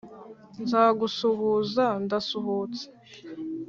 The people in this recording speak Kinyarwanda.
nza gusuhuza ndasuhutse